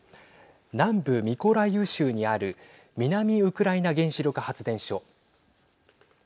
南部ミコライウ州にある南ウクライナ原子力発電所。